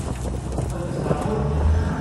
Ad t-saɛfen?